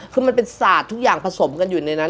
คือมันเป็นศาสตร์ทุกอย่างผสมกันอยู่ในนั้น